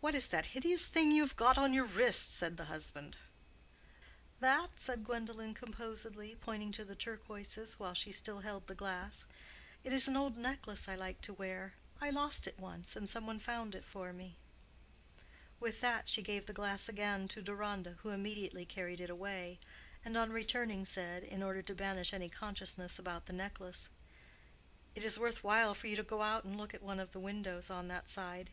"What is that hideous thing you have got on your wrist?" said the husband. "That?" said Gwendolen, composedly, pointing to the turquoises, while she still held the glass; "it is an old necklace I like to wear. I lost it once, and someone found it for me." With that she gave the glass again to Deronda, who immediately carried it away, and on returning said, in order to banish any consciousness about the necklace, "It is worth while for you to go and look out at one of the windows on that side.